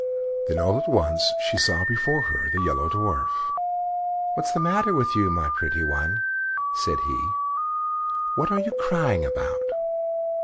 Then all at once she saw before her the Yellow Dwarf. "What's the matter with you, my pretty one?" said he. "What are you crying about?"